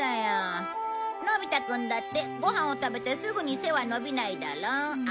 のび太くんだってご飯を食べてすぐに背は伸びないだろう？